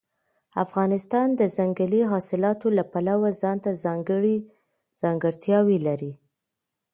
افغانستان د ځنګلي حاصلاتو له پلوه ځانته ځانګړې ځانګړتیاوې لري.